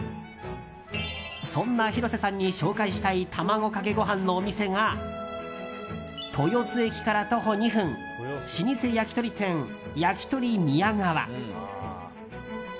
そんな広瀬さんに紹介したい卵かけご飯のお店が豊洲駅から徒歩２分老舗焼き鳥店やきとり宮川。